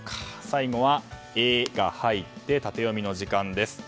最後は「エ」が入ってタテヨミの時間です。